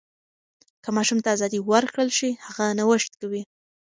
که ماشوم ته ازادي ورکړل شي، هغه نوښت کوي.